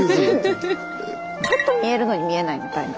ちょっと見えるのに見えないみたいな。